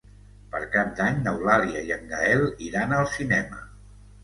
Per Cap d'Any n'Eulàlia i en Gaël iran al cinema.